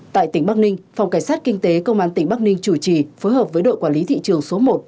tại tỉnh bắc ninh phòng cảnh sát kinh tế công an tỉnh bắc ninh chủ trì phối hợp với đội quản lý thị trường số một